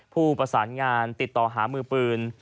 ผู้ประสานงานติดต่อหามือปืน